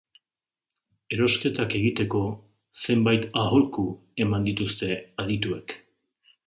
Erosketak egiteko zenbait aholku eman dituzte adituek.